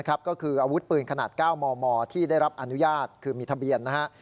ก็คืออาวุธปืนขนาด๙มมที่ได้รับอนุญาตคือมีทะเบียนนะฮะ